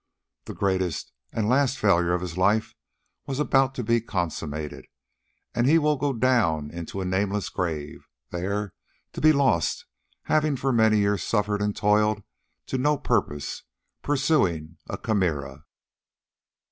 The greatest and last failure of his life was about to be consummated, and he would go down into a nameless grave, there to be lost, having for many years suffered and toiled to no purpose, pursuing a chimera.